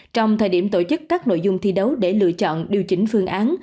trong thời điểm tổ chức các nội dung thi đấu để lựa chọn điều chỉnh phương án